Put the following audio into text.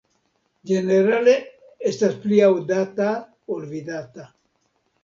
Ĝenerale estas pli aŭdata ol vidata.